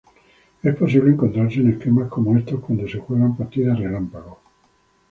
Es posible encontrarse en esquemas como estos cuando se juegan partidas relámpago.